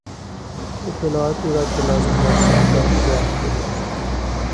اطلاعاتی را که لازم داشتم در اختیارم گذاشت.